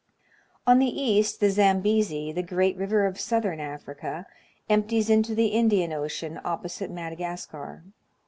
On the east the Zambezi, the great river of southern Afx'ica, empties into the Indian Ocean opposite Madagascar.